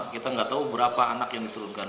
kita nggak tahu berapa anak yang diturunkan